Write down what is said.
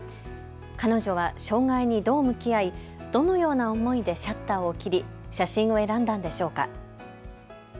彼女は障害にどう向き合いどのような思いでシャッターを切り、写真を選んだんでしょうか。